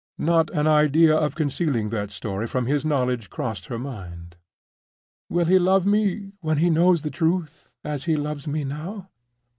Not an idea of concealing that story from his knowledge crossed her mind. "Will he love me, when he knows the truth, as he loves me now?"